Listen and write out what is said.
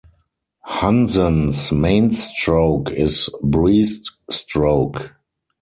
Hansen's main stroke is breaststroke.